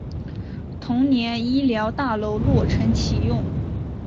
同年医疗大楼落成启用。